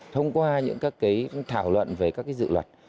thông qua những thảo luận về các dự luật